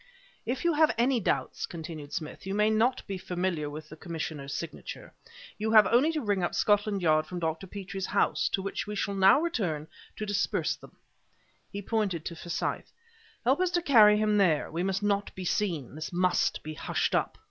"If you have any doubts," continued Smith "you may not be familiar with the Commissioner's signature you have only to ring up Scotland Yard from Dr. Petrie's house, to which we shall now return, to disperse them." He pointed to Forsyth. "Help us to carry him there. We must not be seen; this must be hushed up.